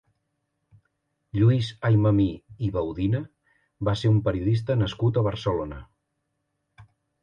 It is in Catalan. Lluís Aymamí i Baudina va ser un periodista nascut a Barcelona.